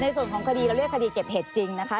ในส่วนของคดีเราเรียกคดีเก็บเห็ดจริงนะคะ